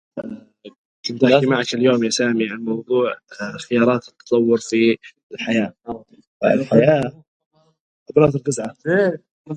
He was known for his toughness, dependability, and cheerfulness.